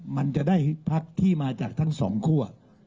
มันจะได้พักที่มาจากทั้งสองคั่ว